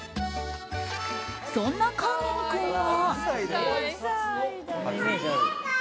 そんな勸玄君は。